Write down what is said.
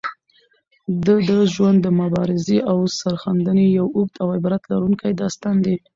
د ده ژوند د مبارزې او سرښندنې یو اوږد او عبرت لرونکی داستان دی.